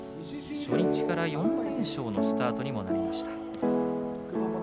初日から４連勝のスタートにもなりました。